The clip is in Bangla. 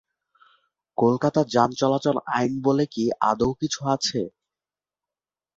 কলকাতা যান চলাচল আইন বলে কি আদৌ কিছু আছে?